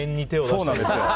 そうなんですよ。